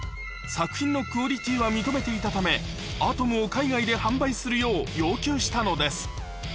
作品のクオリティーは認めていたため、アトムを海外で販売するよう要求したのです。